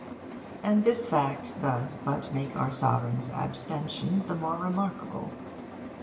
And this fact does but make our Sovereign's abstention the more remarkable.